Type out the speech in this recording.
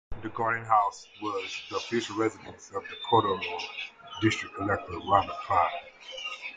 The Garden House was the official residence of the Cuddalore District Collector, Robert Clive.